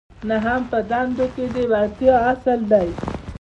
نهم په دندو کې د وړتیا اصل دی.